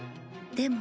でも。